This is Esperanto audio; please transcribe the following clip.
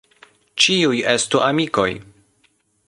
Ĉiuj estu amikoj.